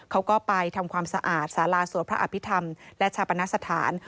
เขาก็ไปทำความสะอาดสาราสวดพระอภิษฐรรมและชาปนสถาน